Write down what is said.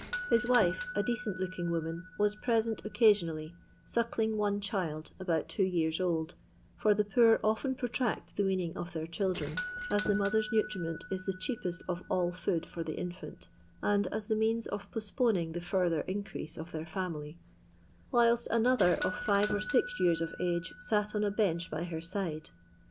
Hia wife, a decent looking wonum, waa preaent occaaionally, auckling one child, about twoyeara old — ^for the poor often protract the wean ing of their children, as the mother's nutriment is the ekeaput of all food for the infant, and aa the meana of postponing the further increase of their fiunily — whilst another of five or six yearvof age sat on a bench by her side.